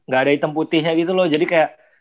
gak ada hitam putihnya gitu loh jadi kayak